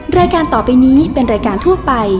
แม่บ้านประจัดบ้าน